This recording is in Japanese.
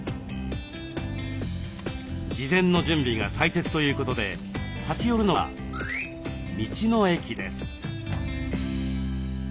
事前の準備が大切ということで立ち寄るのは「道の駅」です。